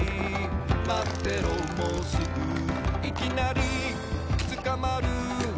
「まってろもうすぐ」「いきなりつかまる」